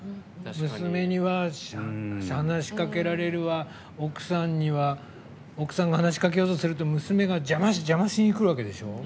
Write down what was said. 娘には、話しかけられるわ奥さんが話しかけようとすると娘が邪魔しにくるわけでしょ。